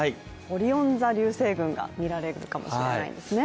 オリオン座流星群が見られるかもしれないんですね。